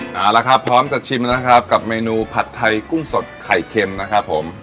เอาละครับพร้อมจะชิมนะครับกับเมนูผัดไทยกุ้งสดไข่เค็มนะครับผม